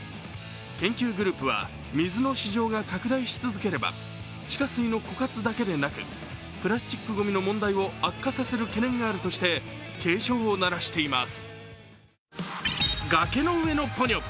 研究グループは水の市場が拡大し続ければ地下水の枯渇だけでなくプラスチックごみの問題を悪化させる懸念があるとして警鐘を鳴らしています。